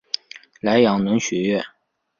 莱阳农学院。